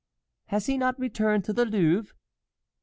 "Has he not returned to the Louvre?"